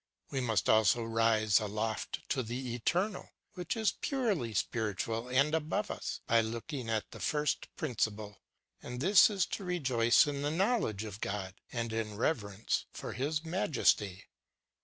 We must also rise aloft to the eternal, which is purely spiritual and above us, by looking at the First Principle ; and this is to rejoice in the knowl edge of God and in kevekence for his majesty.